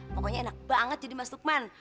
pokoknya enak banget jadi mas lukman